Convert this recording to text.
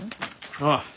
ああ。